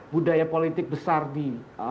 budaya politik besar di